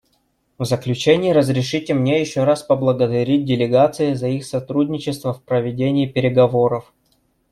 В заключение разрешите мне еще раз поблагодарить делегации за их сотрудничество в проведении переговоров.